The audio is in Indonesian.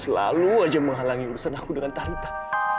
selalu aja menghalangi urusan aku dengan tarita